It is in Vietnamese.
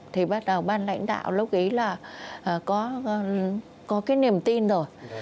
thì bắt đầu ban lãnh đạo lúc ấy là có cái niềm tin rồi